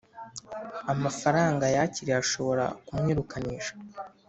Amafaranga yakiriye ashobora kumwirukanisha